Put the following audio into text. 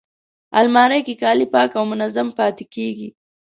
الماري کې کالي پاک او منظم پاتې کېږي